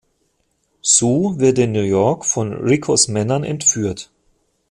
Sue wird in New York von Ricos Männern entführt.